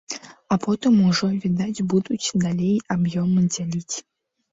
А потым ужо, відаць, будуць далей аб'ёмы дзяліць.